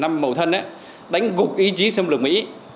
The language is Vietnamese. năm màu thân đánh gục ý chí xâm lược mỹ